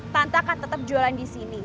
tante akan tetap jualan di sini